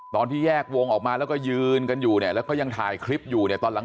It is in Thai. ตอนที่แยกวงออกมาแล้วก็ยืนกันอยู่เนี่ยแล้วก็ยังถ่ายคลิปอยู่เนี่ยตอนหลัง